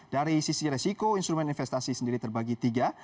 dari sisi resiko instrumen investasi sendiri terbagi tiga